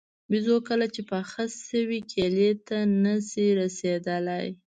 بېزو کله چې پاخه شوي کیلې ته نه شي رسېدلی.